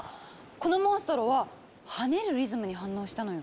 このモンストロは「跳ねるリズム」に反応したのよ。